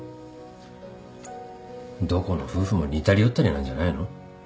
どこの夫婦も似たり寄ったりなんじゃないの？